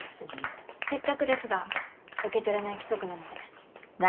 せっかくですが受け取れない規則なので。